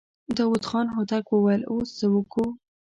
داوود خان هوتک وويل: اوس څه وکو؟